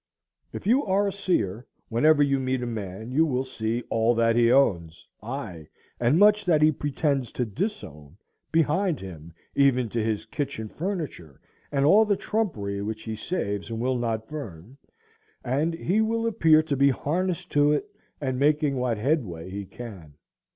If you are a seer, whenever you meet a man you will see all that he owns, ay, and much that he pretends to disown, behind him, even to his kitchen furniture and all the trumpery which he saves and will not burn, and he will appear to be harnessed to it and making what headway he can.